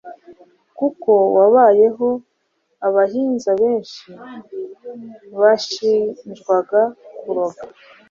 kuko wabayeho abahinza benshi bashinjwaga kuroga,